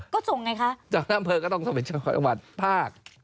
ก็ส่งไงคะจากคณะเภอก็ต้องไปจากจังหวัดภาค